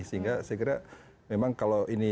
sehingga saya kira memang kalau ini